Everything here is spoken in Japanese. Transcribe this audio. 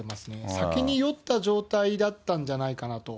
酒に酔った状態だったんじゃないかなと。